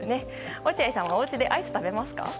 落合さんはお家でアイス食べますか？